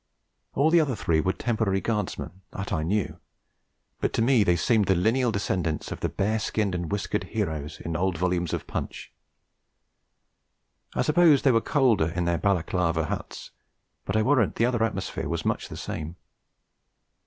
All the other three were temporary Guardsmen; that I knew; but to me they seemed the lineal descendants of the bear skinned and whiskered heroes in old volumes of Punch. I suppose they were colder in their Balaclava huts, but I warrant the other atmosphere was much the same.